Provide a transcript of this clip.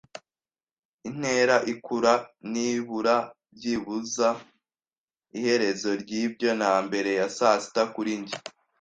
intera ikura. Nibura, byibuze, iherezo ryibyo; na mbere ya saa sita, kuri njye